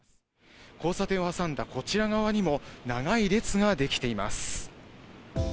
交差点を挟んだこちら側にも、長い列が出来ています。